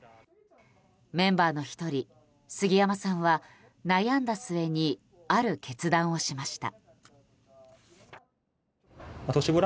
メンバーの１人、杉山さんは悩んだ末にある決断をしました。